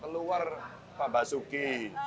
keluar pak basuki